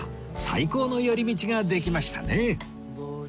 最高の寄り道ができましたね